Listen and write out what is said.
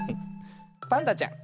パンダちゃん